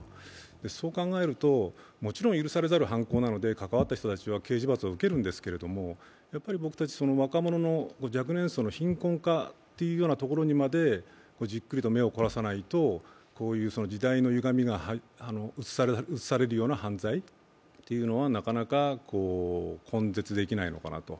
そう考えると、もちろん許されざる犯行なので関わった人たちは刑事罰を受けるんですけれども、やっぱり僕たち若者の貧困化というようなところにまでじっくりと目を凝らさないと、こういう時代のゆがみが映されるような犯罪はなかなか根絶できないのかなと。